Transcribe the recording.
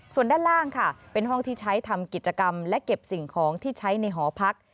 ส่วนด้านล่างค่ะเป็นห้องที่ใช้ทำกิจกรรมและเก็บสิ่งของที่ใช้ในหอพัก